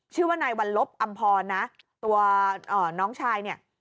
ชื่อว่านายวัลลบอำพรนะตัวน้องชายเนี่ย